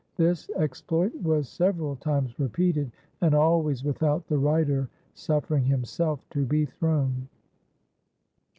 This exploit was several times repeated, and always without the rider suffering himself to be thrown.